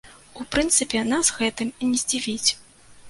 У прынцыпе, нас гэтым не здзівіць.